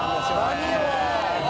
「何よ？